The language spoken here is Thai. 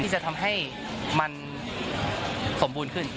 จะทำให้มันสมบูรณ์ขึ้น